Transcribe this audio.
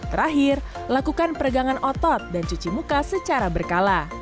terakhir lakukan peregangan otot dan cuci muka secara berkala